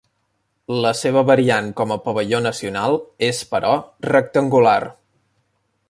La seva variant com a pavelló nacional és però, rectangular.